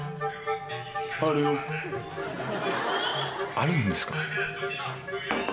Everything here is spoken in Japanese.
「あるんですか」